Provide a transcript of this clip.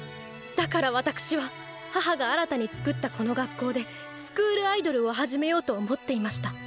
だからわたくしは母が新たにつくったこの学校でスクールアイドルを始めようと思っていました。